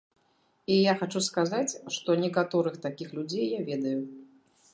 І я хачу сказаць, што некаторых такіх людзей я ведаю.